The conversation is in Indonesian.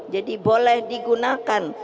jadi boleh digunakan